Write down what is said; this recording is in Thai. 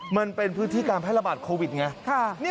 มันเป็นพืชทีการแภระบาดโควิดไง